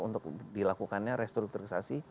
untuk dilakukannya restrukturasi